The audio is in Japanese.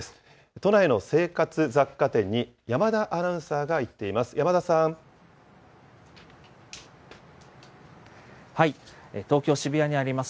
都内の生活雑貨店に、山田アナウンサーが行っています。